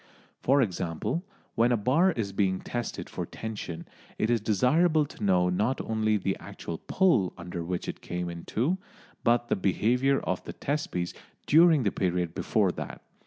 For example, when a bar is being tested for tension, it is desirable to know not only the actual pull under which it came in two, but the behaviour of the test piece during the period before that.